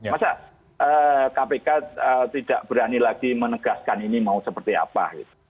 masa kpk tidak berani lagi menegaskan ini mau seperti apa